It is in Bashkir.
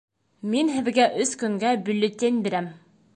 Мин һеҙгә өс көнгә бюллетень бирәм.